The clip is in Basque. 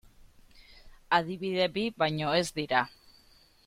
Adibide bi baino ez dira.